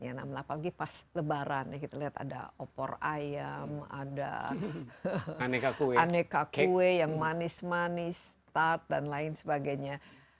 apalagi pas lebaran ya kita lihat ada opor ayam ada aneka kue yang manis manis tart dan lain sebagainya